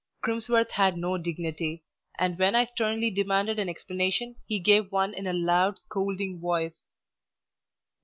Crimsworth had no dignity, and when I sternly demanded an explanation, he gave one in a loud, scolding voice.